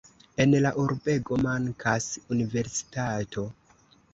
En la urbego mankas universitato.